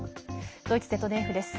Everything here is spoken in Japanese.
ドイツＺＤＦです。